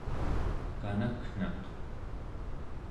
kanaknaq